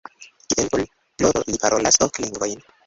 Kiel poligloto li parolas ok lingvojn.